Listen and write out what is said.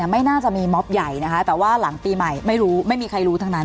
ไม่น่าจะมีม็อบใหญ่นะคะแต่ว่าหลังปีใหม่ไม่รู้ไม่มีใครรู้ทั้งนั้น